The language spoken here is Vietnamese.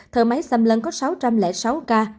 thở máy xâm lấn có sáu trăm linh sáu ca